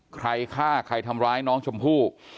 ใครฆ่าใครทำร้ายน้องชมพู่